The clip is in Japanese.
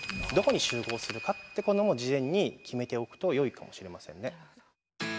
どこに集合するかってことも事前に決めておくとよいかもしれませんね。